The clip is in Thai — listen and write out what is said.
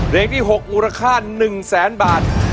เพลงที่๖มูลค่า๑แสนบาท